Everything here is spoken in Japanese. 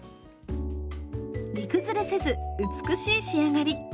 煮崩れせず美しい仕上がり。